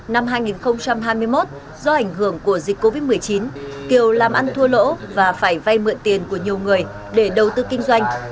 năm hai nghìn hai mươi một do ảnh hưởng của dịch covid một mươi chín kiều làm ăn thua lỗ và phải vay mượn tiền của nhiều người để đầu tư kinh doanh